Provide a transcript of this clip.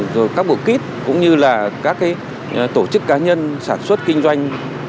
rồi các bộ kít cũng như là các tổ chức cá nhân sản xuất kinh doanh